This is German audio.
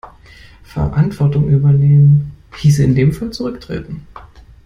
Verantwortung übernehmen hieße in dem Fall zurücktreten.